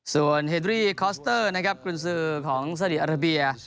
ส่วนเฮดรี่คอสเตอร์นะครับกุญสือของสาวดีอาราเบีย